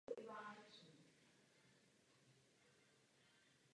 Rád bych se vyjádřil k jednomu bodu.